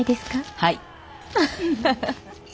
はい。